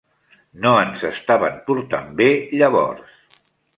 No ens estaven portant bé llavors.